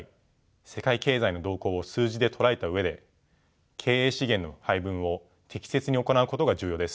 世界経済の動向を数字でとらえた上で経営資源の配分を適切に行うことが重要です。